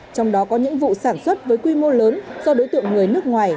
trong đó có những vụ sản xuất với quy mô lớn do đối tượng người nước ngoài